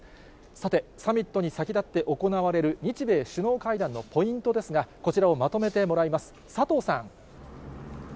さて、サミットに先立って行われる日米首脳会談のポイントですが、こちらをまとめてもらいます。